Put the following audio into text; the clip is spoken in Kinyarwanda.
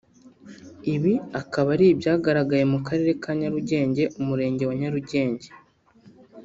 Ibi akaba ari ibyagaragaye mu Karere ka Nyarugenge Umurenge wa Nyarugenge